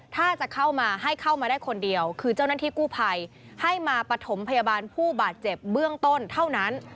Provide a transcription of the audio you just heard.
ถ้าจะเข้ามาให้เข้ามาได้คนเดียวคือเจ้าหน้าที่กู้ภัยให้มาปฐมพยาบาลผู้บาดเจ็บเบื้องต้นเท่านั้น